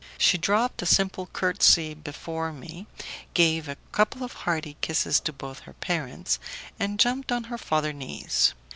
She dropped a simple courtesy before me, gave a couple of hearty kisses to both her parents, and jumped on her father's knees.